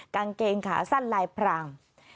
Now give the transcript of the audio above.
กางเกงขาสั้นลายพราง